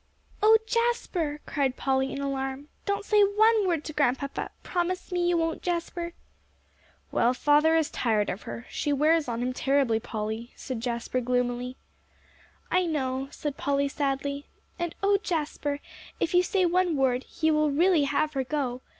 "Oh, Jasper," cried Polly, in alarm, "don't say one word to Grandpapa. Promise me you won't, Jasper." "Well, father is tired of her. She wears on him terribly, Polly," said Jasper gloomily. "I know," said Polly sadly. "And oh, Jasper, if you say one word, he will really have her go.